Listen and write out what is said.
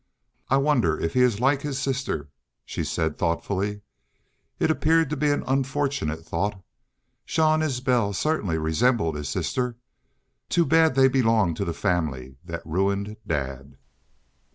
"I wonder if he is like his sister," she said, thoughtfully. It appeared to be an unfortunate thought. Jean Isbel certainly resembled his sister. "Too bad they belong to the family that ruined dad."